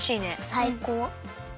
さいこう。